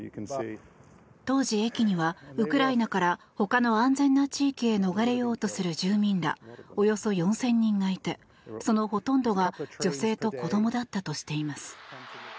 当時、駅にはウクライナからほかの安全な地域へ逃れようとする住民らおよそ４０００人がいてそのほとんどが女性と子どもだったとしています。